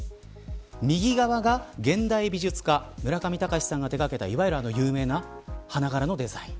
右側が現代美術家村上隆さんが手掛けたいわゆる、あの有名な花柄のデザイン。